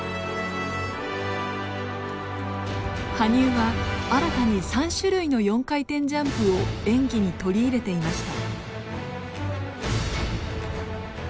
羽生は新たに３種類の４回転ジャンプを演技に取り入れていました。